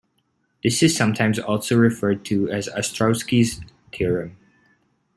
This is sometimes also referred to as Ostrowski's theorem.